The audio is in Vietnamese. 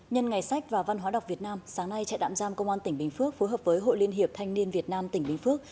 nhân ngày sách và văn hóa đọc việt nam sáng nay trại đạm giam công an tỉnh bình phước phối hợp với hội liên hiệp thanh niên việt nam tỉnh bình phước